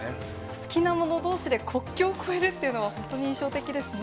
好きなものどうしで国境を越えるっていうのは、本当に印象的ですね。